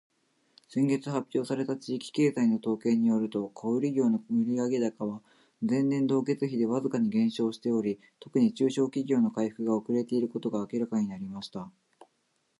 「先月発表された地域経済の統計によると、小売業の売上高は前年同期比でわずかに減少しており、特に中小企業の回復が遅れていることが明らかになりました。」